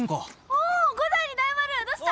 おお伍代に大丸どした？